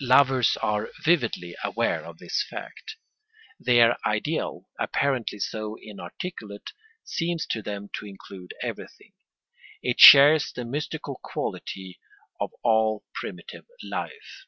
Lovers are vividly aware of this fact: their ideal, apparently so inarticulate, seems to them to include everything. It shares the mystical quality of all primitive life.